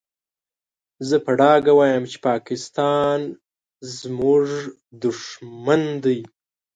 زه په ډاګه وايم چې پاکستان زموږ دوښمن دی.